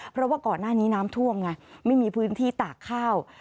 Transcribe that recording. เพราะว่าก่อนหน้านี้น้ำท่วมไงไม่มีพื้นที่ตากข้าว